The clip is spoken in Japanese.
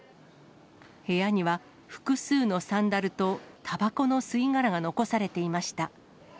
部屋には複数のサンダルとたばこの吸い殻が残されていました。